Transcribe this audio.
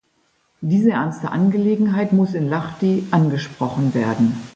Diese ernste Angelegenheit muss in Lahti angesprochen werden.